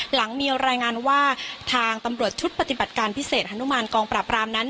หลังมีรายงานว่าทางตำรวจชุดปฏิบัติการพิเศษฮานุมานกองปราบรามนั้น